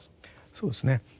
そうですね。